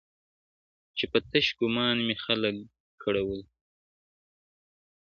چي په تش ګومان مي خلک کړولي-